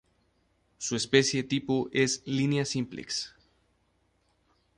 Su especie tipo es "Linea simplex".